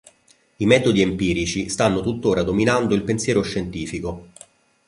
I metodi empirici stanno tuttora dominando il pensiero scientifico.